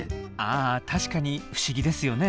あ確かに不思議ですよね。